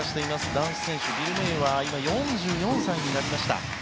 男子選手ビル・メイは今、４４歳になりました。